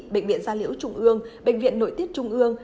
bệnh viện gia liễu trung ương bệnh viện nội tiết trung ương